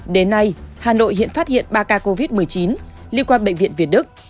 đến nay hà nội hiện phát hiện ba ca covid một mươi chín liên quan bệnh viện việt đức